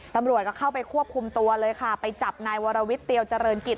ตำรวจก็เข้าไปควบคุมตัวเลยค่ะไปจับนายวรวิทย์เตียวเจริญกิจ